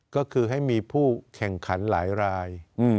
ก็คือให้มีผู้แข่งขันหลายราย